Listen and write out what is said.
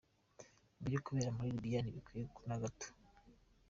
Ibiri kubera muri Libya ntibikwiye na gato.